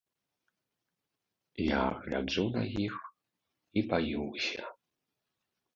Я гляджу на іх і баюся.